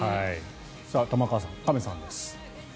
玉川さん、亀さんです。